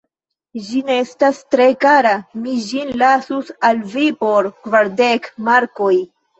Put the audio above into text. Ĝi ne estas tre kara, mi ĝin lasus al vi por kvardek markoj.